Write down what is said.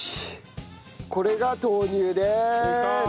これが豆乳です！